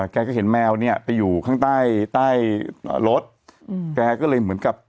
แกก็เห็นแมวเนี่ยไปอยู่ข้างใต้ใต้รถอืมแกก็เลยเหมือนกับ